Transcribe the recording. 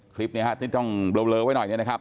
คลิปนี้ที่ต้องเบลอไว้หน่อยเนี่ยนะครับ